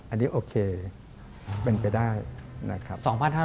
อันนี้โอเคเป็นไปได้นะครับ